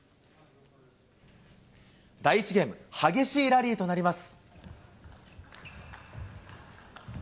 第１ゲーム、激しいラリーとなります。